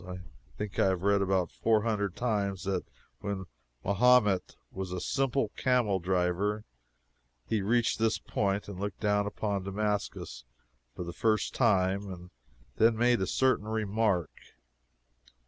I think I have read about four hundred times that when Mahomet was a simple camel driver he reached this point and looked down upon Damascus for the first time, and then made a certain renowned remark.